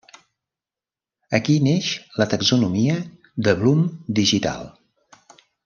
Aquí neix la taxonomia de Bloom Digital.